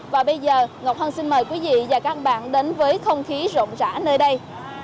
và bây giờ ngọc hân xin mời quý vị và các bạn đến với không khí rộng rã nơi đây